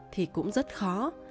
thì cũng rất khó